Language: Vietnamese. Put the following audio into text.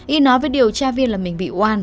y nói với điều tra viên là mình bị oan